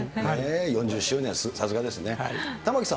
４０周年、さすがですね。